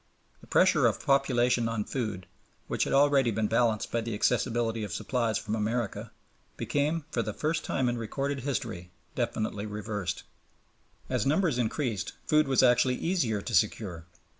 The pressure of population on food, which had already been balanced by the accessibility of supplies from America, became for the first time in recorded history definitely reversed. As numbers increased, food was actually easier to secure.